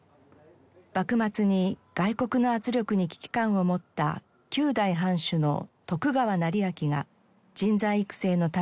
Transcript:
幕末に外国の圧力に危機感を持った９代藩主の徳川斉昭が人材育成のために開きました。